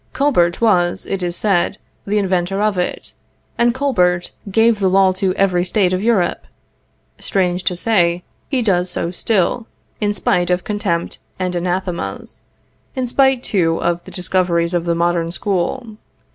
Colbert was, it is said, the inventor of it; and Colbert gave the law to every state of Europe. Strange to say, he does so still, in spite of contempt and anathemas, in spite too of the discoveries of the modern school.